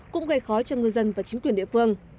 cũng gây khó cho ngư dân và chính quyền địa phương